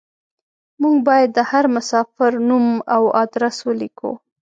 موږ بايد د هر مساپر نوم او ادرس وليکو.